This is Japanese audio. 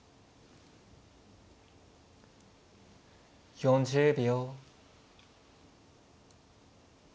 ４０秒。